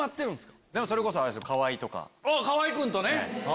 河合君とね。